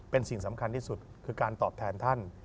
เป็นสิ่งสำคัญที่สุดคือการตอบแทนท่าน